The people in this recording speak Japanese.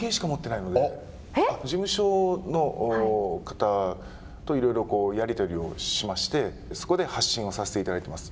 事務所の方といろいろこう、やり取りをしまして、そこで発信をさせていただいています。